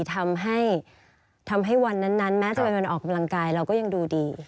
ทำให้ทำให้วันนั้นแม้จะเป็นวันออกกำลังกายเราก็ยังดูดี